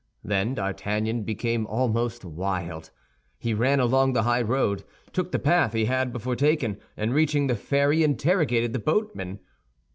Then D'Artagnan became almost wild. He ran along the high road, took the path he had before taken, and reaching the ferry, interrogated the boatman.